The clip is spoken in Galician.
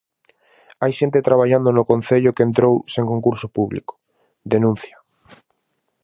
"Hai xente traballando no Concello que entrou sen concurso público", denuncia.